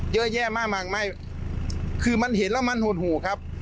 เยอะแยะมากมายไม่คือมันเห็นแล้วมันหดหูครับ